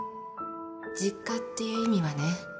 実家っていう意味はね